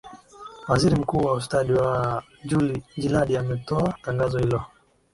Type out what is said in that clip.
waziri mkuu wa ustadi wa juli jilade ametoa tangazo hilo